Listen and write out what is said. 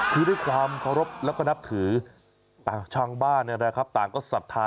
คือด้วยความเคารพแล้วก็นับถือชาวบ้านต่างก็ศรัทธา